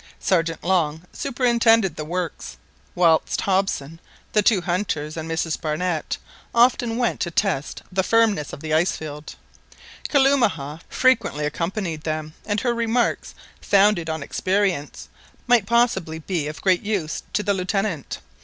Sergeant Long superintended the works, whilst Hobson, the two hunters, and Mrs Barnett, often went to test the firmness of the ice field Kalumah frequently accompanied them, and her remarks, founded on experience, might possibly be of great use to the Lieutenant.